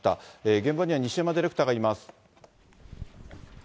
現場には西山ディレクターがいます。